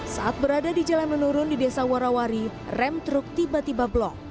saat berada di jalan menurun di desa warawari rem truk tiba tiba blok